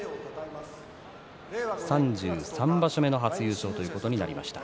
３３場所目の初優勝ということになりました。